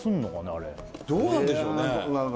あれどうなんでしょうね？